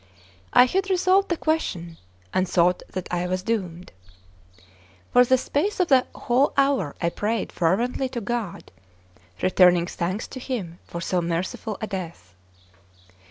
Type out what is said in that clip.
I had resolved the question, and thought that I was doomed. For the space of a whole hour I prayed fervently to God, returning thanks to Him for so merciful a death.